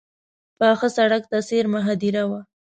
پاخه سړک ته څېرمه هدیره وه.